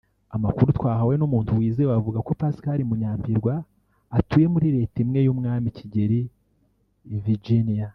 Amakuru twahawe n’umuntu wizewe avuga ko Pascal Munyampirwa atuye muri Leta imwe n’Umwami Kigeli i Virginia